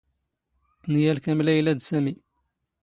ⵜⵏⵢⴰⵍⴽⴰⵎ ⵍⴰⵢⵍⴰ ⴷ ⵙⴰⵎⵉ.